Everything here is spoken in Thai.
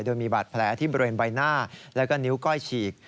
โดยมีบาดแผลที่บริเวณใบหน้าแล้วก็นิ้วก้อยฉีก